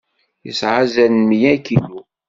Yesɛa azal n mya kilu.